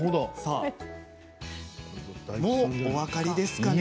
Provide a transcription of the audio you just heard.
もうお分かりですね。